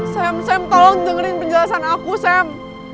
sem sam tolong dengerin penjelasan aku sam